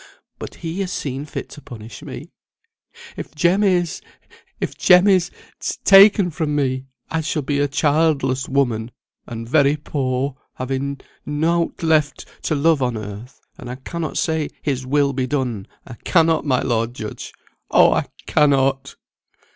But He has seen fit to punish me. If Jem is if Jem is taken from me, I shall be a childless woman; and very poor, having nought left to love on earth, and I cannot say 'His will be done.' I cannot, my lord judge, oh, I cannot."